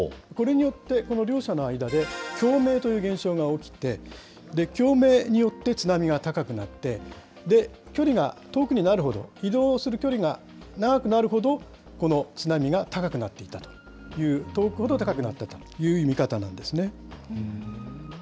これによって、この両者の間で共鳴という現象が起きて、共鳴によって津波が高くなって、距離が遠くになるほど、移動する距離が長くなるほど、この津波が高くなっていたという、遠くほど高くなったという見方なんですね。